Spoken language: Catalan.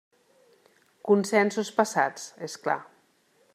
Consensos passats, és clar.